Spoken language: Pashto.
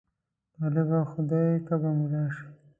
طالبه! خدای که به ملا شې.